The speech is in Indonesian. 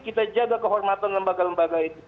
kita jaga kehormatan lembaga lembaga itu